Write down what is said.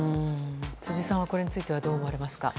辻さん、これについてはどう思われますか。